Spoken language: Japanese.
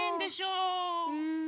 うん。